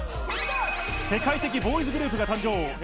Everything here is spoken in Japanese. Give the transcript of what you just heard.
世界的ボーイズグループが誕生。